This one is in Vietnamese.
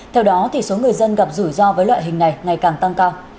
theo đó số người dân gặp rủi ro với loại hình này ngày càng tăng cao